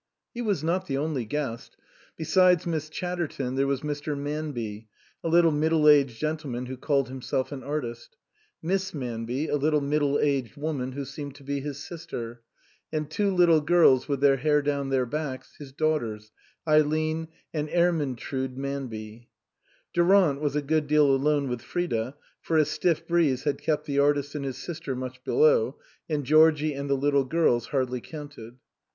He was not the only guest. Besides Miss Chatterton there was Mr. Manby, a little middle aged gentleman, who called himself an artist ; Miss Manby, a little middle aged woman, who seemed to be his sister; and two little girls with their hair down their backs, his daughters, Eileen and Ermyntrude Manby. Durant was a good deal alone with Frida, for a stiff breeze had kept the artist and his sister much below, and Georgie and the little girls hardly counted.